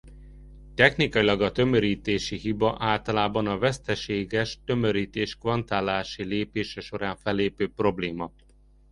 Technikailag a tömörítési hiba általában a veszteséges tömörítés kvantálási lépése során fellépő probléma.